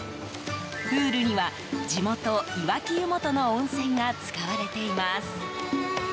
プールには、地元・いわき湯本の温泉が使われています。